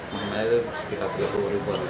menghematnya itu sekitar tiga puluh ribu